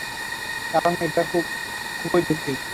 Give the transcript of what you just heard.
কারণ এটা খুবই দুঃখের।